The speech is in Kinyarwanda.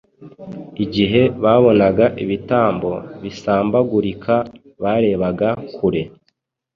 Igihe babonaga ibitambo bisambagurika barebaga kure